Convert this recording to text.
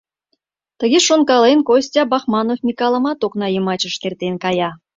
Тыге шонкален, Костя Бахманов Микалмытым окна йымачышт эртен кая.